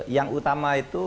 yang utama itu